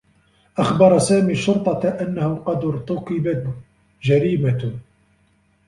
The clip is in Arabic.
أخبر سامي الشّرطة أنّه قد ارتُكبت جريمة.